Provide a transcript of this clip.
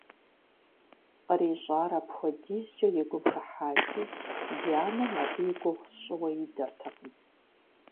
КърищӀар апхуэдизкӀэ и гум хыхьати, дянэм абы и гугъу сщӀыуэ идэртэкъым.